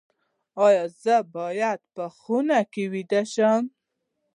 ایا زه باید په خونه کې ویده شم؟